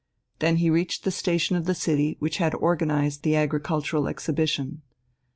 Then he reached the station of the city which had organized the agricultural exhibition.